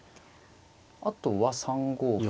あとは３五歩。